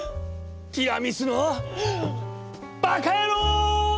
ティラミスのバカ野郎！